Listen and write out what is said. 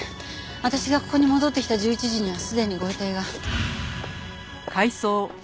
私がここに戻ってきた１１時にはすでにご遺体が。